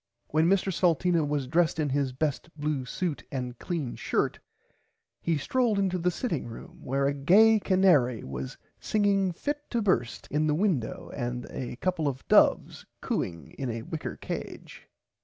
When Mr Salteena was dressed in his best blue suit and clean shirt he stroled into the sitting room where a gay canary was singing fit to burst in the window and a copple of doves cooing in a whicker cage.